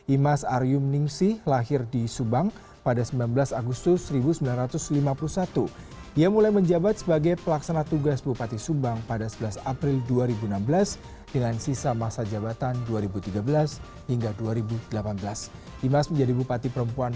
imas akan memasuki masa cuti